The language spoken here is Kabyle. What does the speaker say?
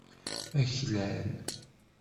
Aklal.